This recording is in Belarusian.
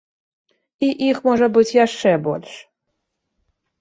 І іх можа быць яшчэ больш.